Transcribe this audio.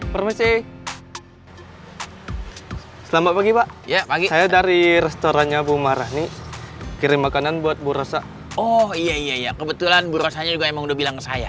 hai selamat pagi pak saya dari restorannya bumarah nih kirim makanan buat burosa oh iya kebetulan berasanya gue mau bilang saya